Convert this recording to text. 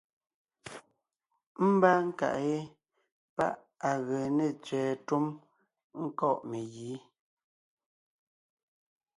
Ḿbaa nkàʼ yé páʼ à gee ne tsẅɛ̀ɛ túm ńkɔ̂ʼ megǐ.